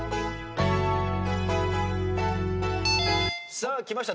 さあきました